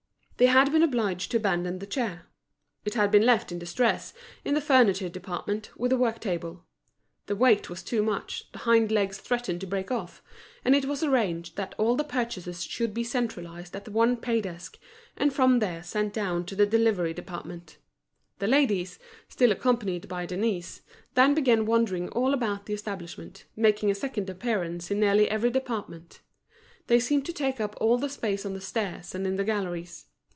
They had been obliged to abandon the chair. It had been left in distress, in the furniture department, with the work table. The weight was too much, the hind legs threatened to break off; and it was arranged that all the purchases should be centralised at one pay desk, and from there sent down to the delivery department. The ladies, still accompanied by Denise, then began wandering all about the establishment, making a second appearance in nearly every department. They seemed to take up all the space on the stairs and in the galleries.